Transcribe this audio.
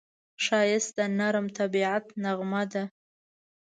ښایست د نرم طبیعت نغمه ده